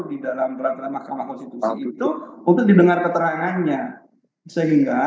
di dalam peraturan mahkamah konstitusi itu untuk didengar keterangannya sehingga